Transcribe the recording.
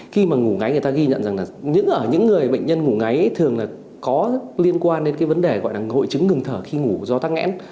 khi mà ngủ ngáy người ta ghi nhận rằng là những người bệnh nhân ngủ ngáy thường là có liên quan đến cái vấn đề gọi là hội chứng đường thở khi ngủ do tăng ngẽn